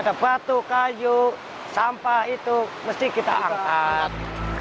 ada batu kayu sampah itu mesti kita angkat